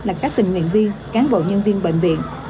là các tình nguyện viên cán bộ nhân viên bệnh viện